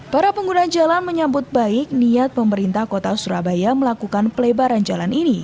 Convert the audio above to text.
para pengguna jalan menyambut baik niat pemerintah kota surabaya melakukan pelebaran jalan ini